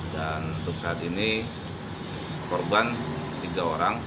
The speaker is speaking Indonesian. untuk saat ini korban tiga orang